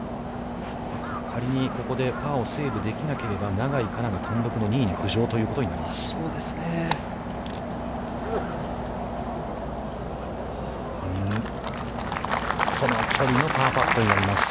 仮にここでパーをセーブできなければ、永井花奈の単独２位浮上ということになります。